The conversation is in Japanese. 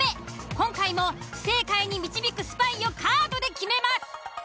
今回も不正解に導くスパイをカードで決めます。